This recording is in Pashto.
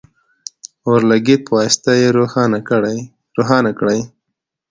د اور لګیت په واسطه یې روښانه کړئ.